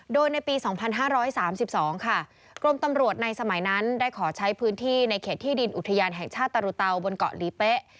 โดยในปี๒๕๓๒ค่ะกรมตำรวจในสมัยนั้นได้ขอใช้พื้นที่ในเขตที่ดินอุทยานแห่งชาติตรรุเตาบนเกาะหลีเป๊ะ